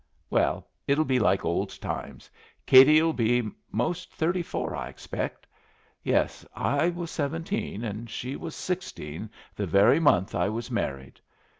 Well, it'll be like old times. Katie'll be most thirty four, I expect. Yes. I was seventeen and she was sixteen the very month I was married.